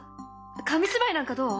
紙芝居なんかどう？